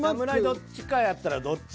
どっちかやったらどっち？